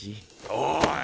おい！